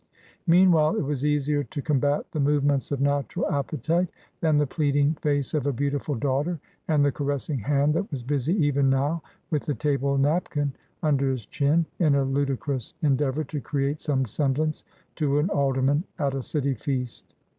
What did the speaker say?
Meanwhile, it was easier to combat the movements of natural appetite than the pleading face of a beautiful daughter and the caressing hand that was busy even now with the table napkin under his chin, in a ludicrous en deavour to create some semblance to an alderman at a city feast.